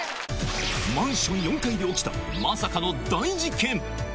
マンション４階で起きた、まさかの大事件。